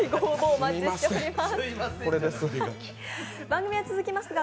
お待ちしております。